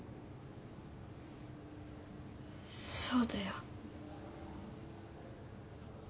そうだよ。